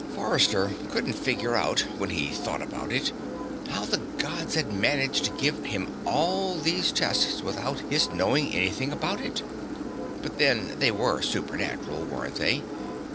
Forrester couldn't figure out, when he thought about it, how the Gods had managed to give him all these tests without his knowing anything about it. But, then, they were supernatural, weren't they?